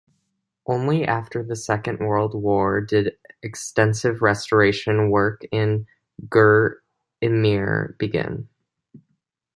Only after the Second World War did extensive restoration work in Gur-Emir begin.